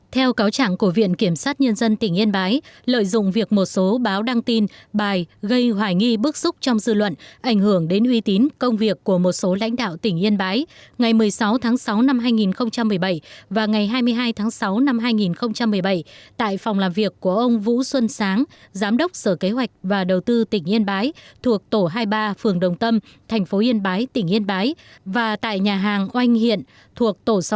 theo cáo trảng của viện kiểm sát nhân dân tỉnh yên bái lợi dụng việc một số báo đăng tin bài gây hoài nghi bước xúc trong dư luận ảnh hưởng đến uy tín công việc của một số lãnh đạo tỉnh yên bái ngày một mươi sáu tháng sáu năm hai nghìn một mươi bảy và ngày hai mươi hai tháng sáu năm hai nghìn một mươi bảy tại phòng làm việc của ông vũ xuân sáng giám đốc sở kế hoạch và đầu tư tỉnh yên bái thuộc tổ hai mươi ba phường đồng tâm tp yên bái tỉnh yên bái và tại nhà hàng oanh hiện thuộc tổ sáu mươi sáu tp yên bái